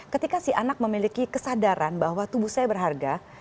ketika si anak memiliki kesadaran bahwa tubuh saya berharga